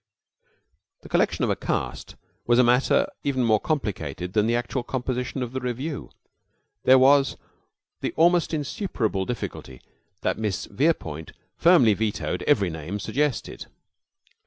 The collection of a cast was a matter even more complicated than the actual composition of the revue. There was the almost insuperable difficulty that Miss Verepoint firmly vetoed every name suggested.